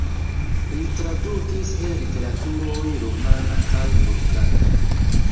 Li tradukis el literaturoj rumana kaj bulgara.